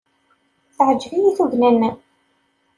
Teɛjeb-iyi tugna-nnem.